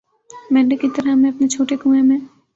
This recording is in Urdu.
مینڈک کی طرح ہمیں اپنے چھوٹے کنوئیں میں